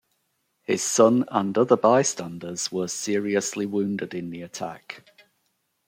His son and other bystanders were seriously wounded in the attack.